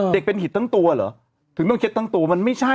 เด็กเป็นหิตทั้งตัวเหรอถึงต้องเช็ดทั้งตัวมันไม่ใช่